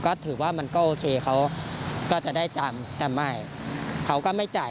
ก็ถือว่ามันก็โอเคเขาก็จะได้จำแต่ไม่เขาก็ไม่จ่าย